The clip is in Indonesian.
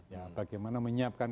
ya bagaimana menyiapkan